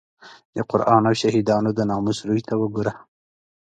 د قران او شهیدانو د ناموس روی ته وګوره.